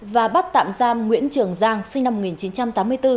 và bắt tạm giam nguyễn trường giang sinh năm một nghìn chín trăm tám mươi bốn